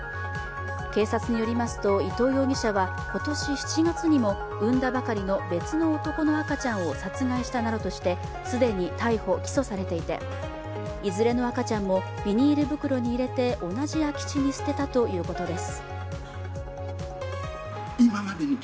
警察によりますと伊藤容疑者は今年７月にも生んだばかりの別の赤ちゃんを殺害したなどとして既に逮捕・起訴されていて、いずれの赤ちゃんもビニール袋に入れて同じ空き地に捨てたということです。